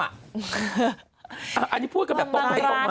อันนี้พูดกันแบบตรงไปตรงมา